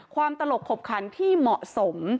ตลกขบขันที่เหมาะสม